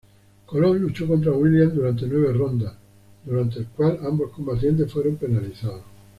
Colón luchó contra Williams durante nueve rondas, durante el cual ambos combatientes fueron penalizados.